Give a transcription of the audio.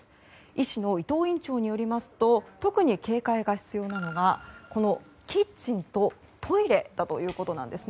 医師の伊藤院長によりますと特に警戒が必要なのがキッチンとトイレだということです。